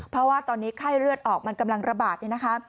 เพราะว่าตอนนี้ไข้เลือดออกมันกำลังระบาดเนี่ยนะคะ